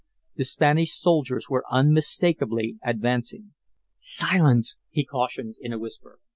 The Spanish soldiers were unmistakably advancing. "Silence!" he cautioned, in a whisper.